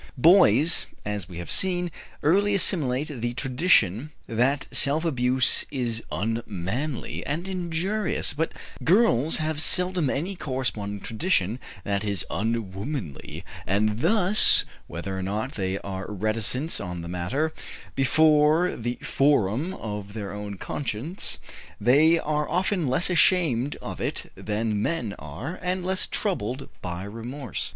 Boys, as we have seen, early assimilate the tradition that self abuse is "unmanly" and injurious, but girls have seldom any corresponding tradition that it is "unwomanly," and thus, whether or not they are reticent on the matter, before the forum of their own conscience they are often less ashamed of it than men are and less troubled by remorse.